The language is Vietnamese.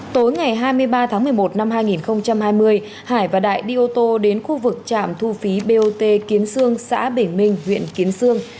tối ngày hai mươi ba tháng một mươi một năm hai nghìn hai mươi hải và đại đi ô tô đến khu vực trạm thu phí bot kiến sương xã bình minh huyện kiến sương